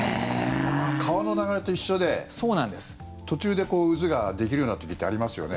川の流れと一緒で途中で渦ができるような時ってありますよね。